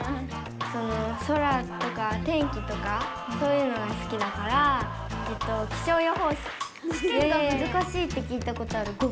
その空とか天気とかそういうのが好きだからしけんがむずかしいって聞いたことある。